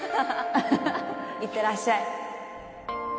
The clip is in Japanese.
行ってらっしゃい